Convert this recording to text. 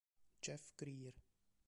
Jeff Greer